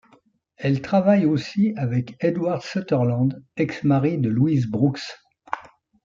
Elle travaille aussi avec Edward Sutherland, ex mari de Louise Brooks.